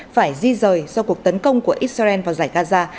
phải di rời do cuộc tấn công của israel vào giải gaza